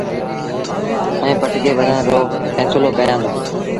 ائيٚݩ پٽڪي ٻڌآن رو ڦيسلو ڪيآݩدوݩ۔